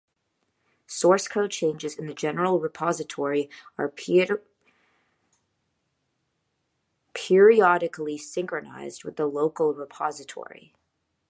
Source code changes in the central repository are periodically synchronized with the local repository.